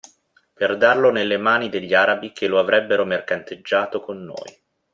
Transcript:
Per darlo nelle mani degli arabi che lo avrebbero mercanteggiato con noi.